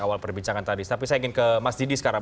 awal perbincangan tadi tapi saya ingin ke mas didi sekarang